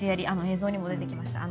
映像にも出てきました。